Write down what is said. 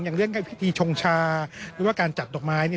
อย่างเรื่องพิธีชงชาหรือว่าการจัดดอกไม้